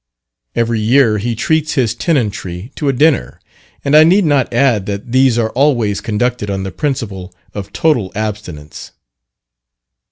Every year he treats his tenantry to a dinner, and I need not add that these are always conducted on the principle of total abstinence.